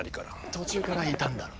途中からいたんだろ？